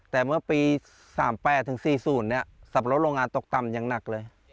แต่เมื่อปี๓๘ถึง๔๐สับรสโรงงานตกต่ำอย่างหนักเลย